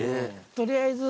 取りあえず。